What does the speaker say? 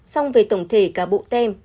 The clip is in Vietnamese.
xong về tổng thể cả bộ tem